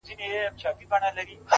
يې ياره شرموه مي مه ته هرڅه لرې ياره ـ